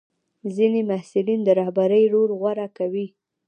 ځینې محصلین د رهبرۍ رول غوره کوي.